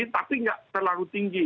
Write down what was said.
tapi tidak terlalu tinggi